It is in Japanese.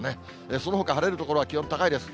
そのほか、晴れる所は気温高いです。